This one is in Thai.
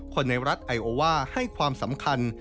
ในรัฐไอโอว่าให้ความสำคัญ